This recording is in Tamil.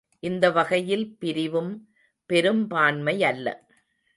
இந்த வகையில் பிரிவும் பெரும்பான்மையல்ல.